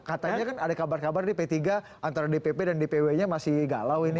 katanya kan ada kabar kabar nih p tiga antara dpp dan dpw nya masih galau ini